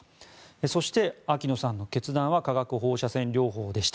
そして秋野さんの決断は化学放射線療法でした。